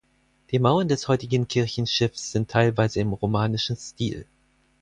Die Mauern des heutigen Kirchenschiffs sind teilweise im romanischen Stil.